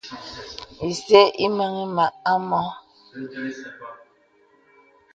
Ìsə̄ ìməŋì mə à mɔ.